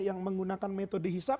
yang menggunakan metode hisab